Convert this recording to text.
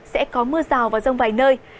sẽ có mưa rào và rông vài nơi